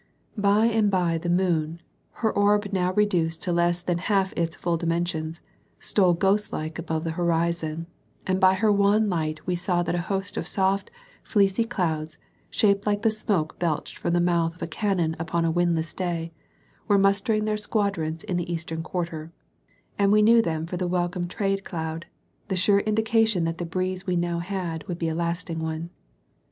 By and by the moon her orb now reduced to less than half its full dimensions stole ghostlike above the horizon; and by her wan light we saw that a host of soft, fleecy clouds shaped like the smoke belched from the mouth of a cannon upon a windless day were mustering their squadrons in the eastern quarter; and we knew them for the welcome trade cloud, the sure indication that the breeze we now had would be a lasting one.